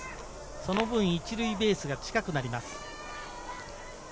その分、１塁ベースが近くなります。